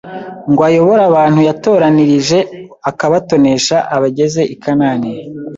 ngo ayobore abantu yatoranirije akabatonesha abageze i Kanani;